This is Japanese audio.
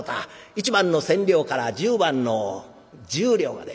一番の千両から十番の十両まで。